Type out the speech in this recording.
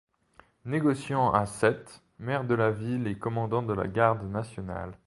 Négociant à Sète, maire de la ville et commandant de la garde nationale.